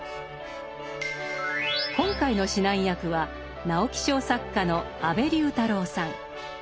今回の指南役は直木賞作家の安部龍太郎さん。